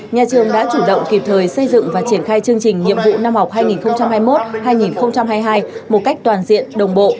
nhà trường đã chủ động kịp thời xây dựng và triển khai chương trình nhiệm vụ năm học hai nghìn hai mươi một hai nghìn hai mươi hai một cách toàn diện đồng bộ